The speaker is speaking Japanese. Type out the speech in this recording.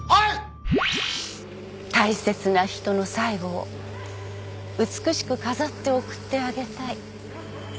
大切な人の最期を美しく飾って送ってあげたい。